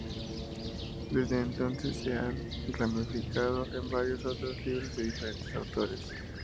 Desde entonces esto se ha ramificado en varios otros libros de diferentes autores.